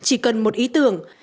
chỉ cần một ý tưởng